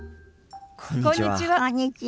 こんにちは。